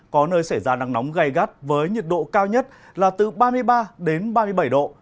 có nơi xảy ra nắng nóng gây gắt với nhiệt độ cao nhất là từ ba mươi ba đến ba mươi bảy độ